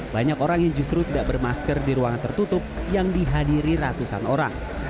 banyak orang yang justru tidak bermasker di ruangan tertutup yang dihadiri ratusan orang